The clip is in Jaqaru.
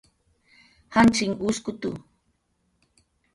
janchinh uskutu